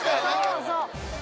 そうそう。